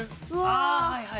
ああはいはい。